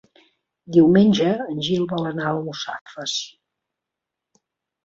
Diumenge en Gil vol anar a Almussafes.